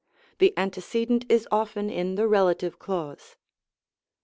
The antecedent is often in the relative clause.